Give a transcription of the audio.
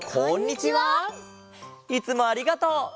いつもありがとう。